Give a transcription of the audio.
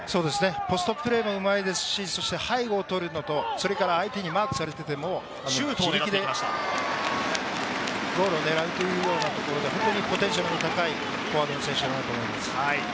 ポストプレーもうまいですし、背後をとるのと、相手にマークされていても自力でゴールを狙うというようなところで、本当にポテンシャルの高いフォワードの選手だなと思います。